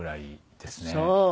そう！